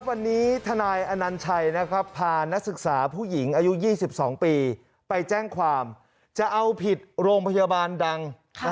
วันนี้ทนายอนัญชัยนะครับพานักศึกษาผู้หญิงอายุ๒๒ปีไปแจ้งความจะเอาผิดโรงพยาบาลดัง